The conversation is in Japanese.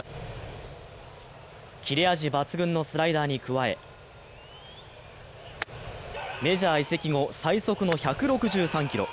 切れ味抜群のスライダーに加え、メジャー移籍後最速の１６３キロ。